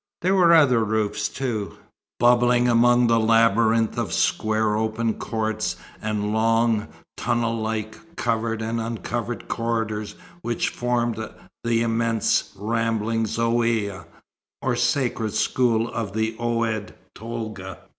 There were other roofs, too, bubbling among the labyrinth of square open courts and long, tunnel like, covered and uncovered corridors which formed the immense, rambling Zaouïa, or sacred school of Oued Tolga.